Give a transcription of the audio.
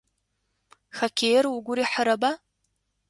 Хоккеир угу рихьырэба?